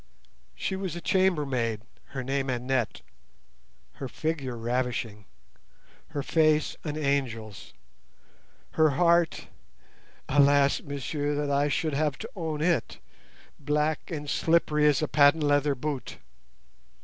She was a chambermaid, her name Annette, her figure ravishing, her face an angel's, her heart—alas, messieurs, that I should have to own it!—black and slippery as a patent leather boot.